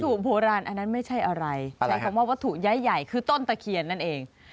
ถุงโบราณอันนั้นไม่ใช่อะไรใช้คำว่าวัตถุย้ายใหญ่คือต้นตะเคียนนั่นเอง